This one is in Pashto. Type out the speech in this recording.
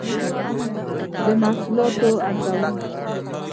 د محصولاتو ارزونه